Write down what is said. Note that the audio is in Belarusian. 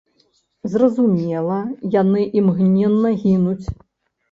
Зразумела, яны імгненна гінуць.